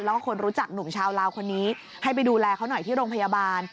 แล้วก็คนรู้จักหนุ่มชาวลาวคนนี้ให้ไปดูแลเขาหน่อยที่โรงพยาบาล